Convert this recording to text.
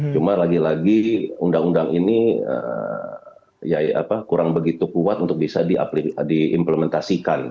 cuma lagi lagi undang undang ini kurang begitu kuat untuk bisa diimplementasikan